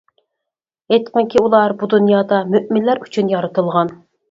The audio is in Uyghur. ئېيتقىنكى ئۇلار بۇ دۇنيادا مۆمىنلەر ئۈچۈن يارىتىلغان.